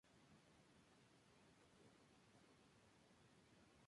Desencadenando una serie se situaciones en las que el mismo jamás se había encontrado.